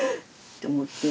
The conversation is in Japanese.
て思って。